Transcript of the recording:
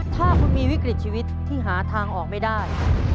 ถ้าคุณมีวิกฤตชีวิตที่หาทางออกไม่ได้